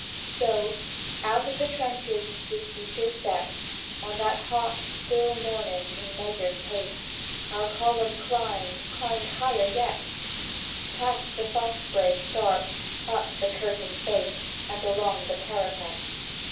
[Picture: Sketch of mountain] "So, out of the trenches, with features set, On that hot, still morning, in measured pace, Our column climbed; climbed higher yet, Past the fauss'bray, scarp, up the curtain face, And along the parapet.